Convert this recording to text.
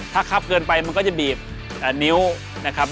ถ้าคับเกินไปมันก็จะบีบนิ้วนะครับ